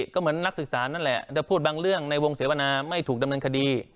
ก็เหมือนนักศึกษานั่นแหละจะพูดบางเรื่องในวงเสวนาไม่ถูกดำเนินคดี